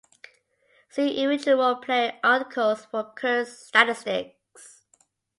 See individual player articles for current statistics.